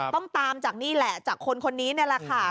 ต้องตามจากนี่แหละจากคนคนนี้นี่แหละค่ะ